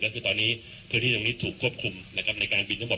ก็คือตอนนี้พื้นที่ตรงนี้ถูกควบคุมนะครับในการบินทั้งหมด